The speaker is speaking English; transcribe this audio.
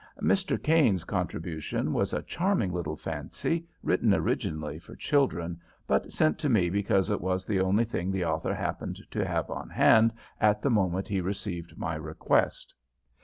Mr. Caine's contribution was a charming little fancy written originally for children, but sent to me because it was the only thing the author happened to have on hand at the moment he received my request.